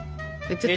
ちょっと。